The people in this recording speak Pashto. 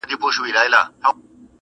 کهيېتخمونهدګناهدلتهکرليبيانو.